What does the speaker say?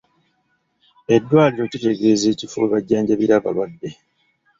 Eddwaliro kitegeeza ekifo we bajjanjabira abalwadde.